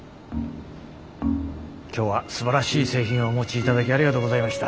今日はすばらしい製品をお持ちいただきありがとうございました。